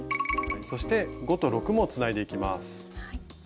そして５と６もつないでいきます。